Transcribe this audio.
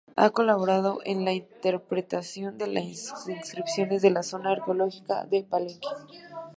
Ha colaborado en la interpretación de las inscripciones de la zona arqueológica de Palenque.